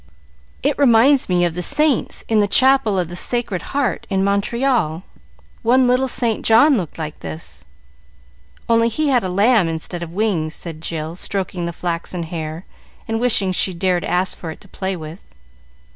"It reminds me of the saints in the chapel of the Sacred Heart in Montreal. One little St. John looked like this, only he had a lamb instead of wings," said Jill, stroking the flaxen hair, and wishing she dared ask for it to play with.